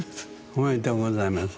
おめでとうございます。